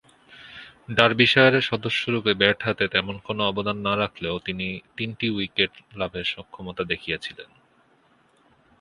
ডার্বিশায়ারের সদস্যরূপে ব্যাট হাতে তেমন কোন অবদান না রাখলেও তিনটি উইকেট লাভে সক্ষমতা দেখিয়েছিলেন।